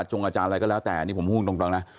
งอาจารย์อะไรก็แล้วแต่นี่ผมพูดตรงนะ